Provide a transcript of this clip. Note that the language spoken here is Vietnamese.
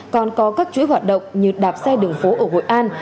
còn có các chuỗi hoạt động như đạp xe đường phố ở hội an